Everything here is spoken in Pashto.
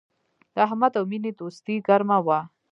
د احمد او مینې دوستي گرمه وه